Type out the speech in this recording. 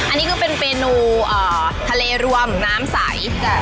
อันนี้คือเป็นเมนูเอ่อทะเลรวมน้ำใส